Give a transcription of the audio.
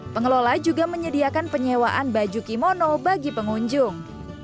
pengelola juga menyediakan penyewaan baju kimono bagi pengunjung